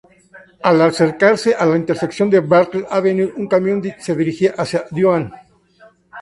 Al acercarse a la intersección de Bartlett Avenue, un camión se dirigía hacia Duane.